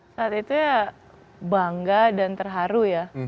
saat itu ya bangga dan terharu ya